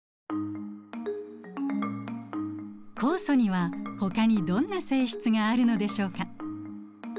酵素にはほかにどんな性質があるのでしょうか？